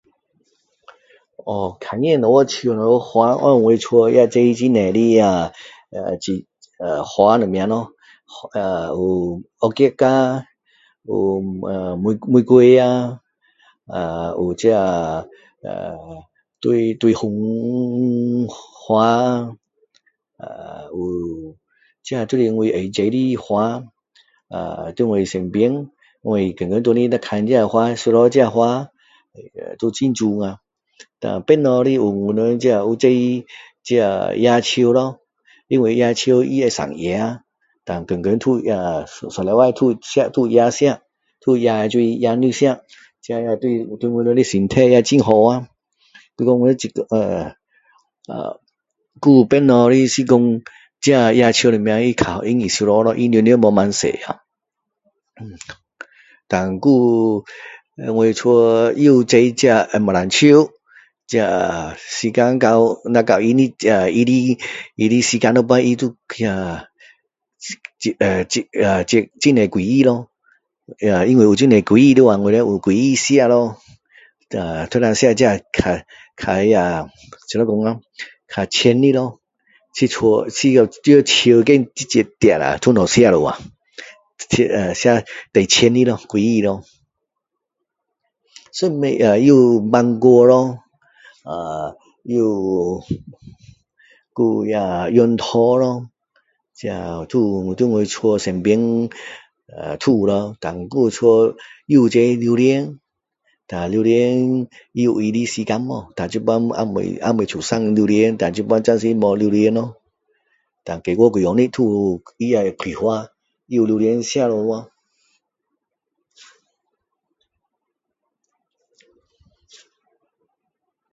哦看见什么树什么花，因为我家也有种很多那个呃那些花什么咯。呃有胡姬啊，有玫瑰啊，啊有这些呃大大红花啊，呃有这些都是我爱种的花。呃在我身边我天天回来若看这些花，收拾这些花就很美啊。其他的有我们这有种这呃椰树咯。因为椰树它会生椰，然后天天都有那个，一礼拜都有椰吃，都有椰水椰肉吃。这些也对我们的身体也很好哦。所以说我们呃，还有其他来说这椰树什么它比较容易打理咯。它叶子没有那么多啊。然后还有我家又有种这些红毛丹树。这时间到，若到它的它的时间的时候，节呃节呃节很多果子咯。因为有很多果子的话，我们有果子吃咯。都是吃这些比较比较那个怎么说啊，比较新鲜的咯。在家在树上面采下就有东西吃了啊。吃吃最新鲜的果子咯。上次也有芒果咯呃也有还有那个杨桃咯。这在都有都有我家身边都有咯。然后还有家也有种榴莲，然后榴莲也有它的时间【mo】。然后现在还没还没出产榴莲。然后现在暂时没有榴莲咯。然后再过几个月都有，它会开花又有榴莲吃了咯。